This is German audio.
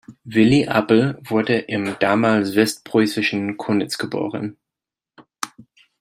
Willi Apel wurde im damals westpreußischen Konitz geboren.